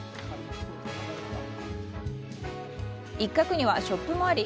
一角にはショップもあり